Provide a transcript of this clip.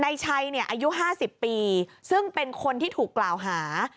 นายชัยอายุ๕๐ปีซึ่งเป็นคนที่ถูกกล่าวหา